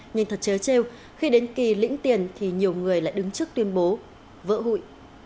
nhưng thật chế chêu khi đến kỳ lĩnh tiền thì nhiều người lại đứng trước tuyên bố vỡ hụi